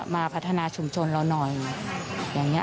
มาพัฒนาชุมชนเราหน่อยอย่างนี้